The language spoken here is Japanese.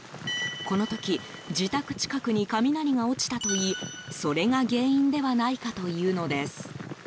この時、自宅近くに雷が落ちたといいそれが原因ではないかというのです。